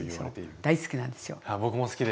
大好きなんですよ。